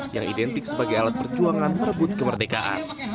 yang identik sebagai alat perjuangan merebut kemerdekaan